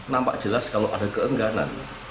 nampak jelas kalau ada keengganan